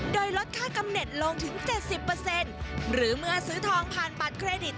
โดยลดค่ากำเน็ตลงถึงเจ็ดสิบเปอร์เซ็นต์หรือเมื่อซื้อทองผ่านปัดเครดิต